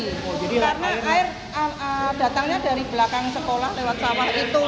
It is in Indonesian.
karena air datangnya dari belakang sekolah lewat sawah itu